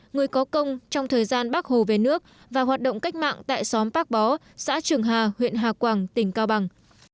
người có công trong thời gian bác hồ về nước và hoạt động cách mạng tại xóm bác bó xã trường hà huyện hà quảng tỉnh cao bằng